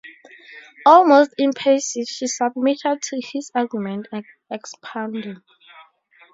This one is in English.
Almost impassive, she submitted to his argument and expounding.